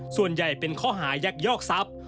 ส่วนใหญ่เป็นข้อหายักยอกทรัพย์